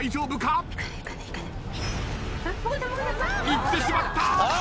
行ってしまった。